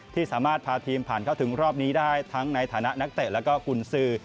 ที่สามารถพาทีมผ่านเข้าถึงรอบนี้ได้ทั้งในฐานะนักเตะแล้วก็กุญสือ